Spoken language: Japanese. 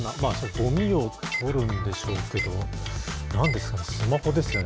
ごみを取るんでしょうけど、なんですかね、スマホですよね。